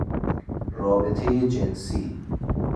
رابطهی جنسی